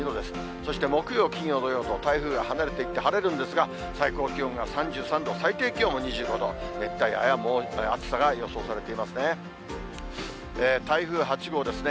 そして、木曜、金曜、土曜と台風が離れていって、晴れるんですが、最高気温が３３度、最低気温も２５度、熱帯夜や暑さが予想されていますね。